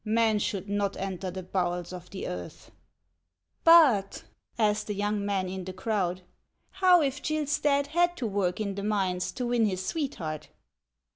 Man should not enter the bowels of the earth." " ]>ut," asked a young man in the crowd, "how if Gill Stadt had to work in the mines to win his sweetheart